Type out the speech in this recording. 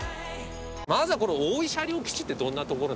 まずはこの大井車両基地ってどんな所なんですか？